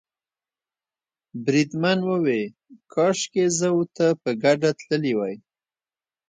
بریدمن وویل کاشکې زه او ته په ګډه تللي وای.